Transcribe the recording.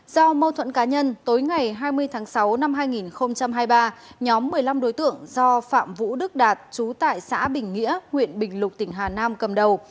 do mâu thuẫn cá nhân tối ngày hai mươi tháng sáu năm hai nghìn hai mươi ba nhóm một mươi năm đối tượng do phạm vũ đức đạt trú tại xã bình nghĩa huyện bình lục tỉnh hà nam cầm đầu